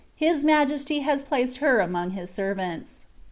His majesty has placed her among His servants.